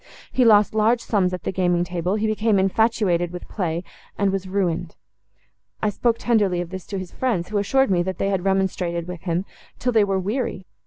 He lost large sums at the gaming table; he became infatuated with play; and was ruined. I spoke tenderly of this to his friends, who assured me, that they had remonstrated with him, till they were weary.